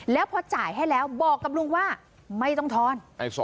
แล้วพอจ่ายให้แล้วบอกกับลุงว่าไม่ต้องทอน